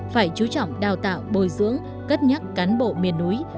phải chú trọng đào tạo bồi dưỡng cân nhắc cán bộ miền núi